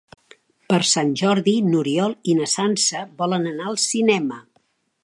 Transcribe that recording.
Per Sant Jordi n'Oriol i na Sança volen anar al cinema.